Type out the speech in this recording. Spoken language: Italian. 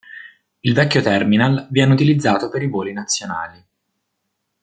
Il vecchio terminal viene utilizzato per i voli nazionali.